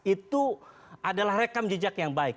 itu adalah rekam jejak yang baik